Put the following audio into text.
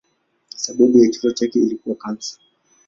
Sababu ya kifo chake ilikuwa kansa.